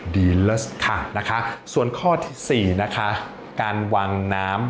ดีเลสค่ะนะคะส่วนข้อที่สี่นะคะการวางน้ำ